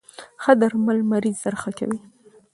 ښه درمل مریض زر ښه کوی.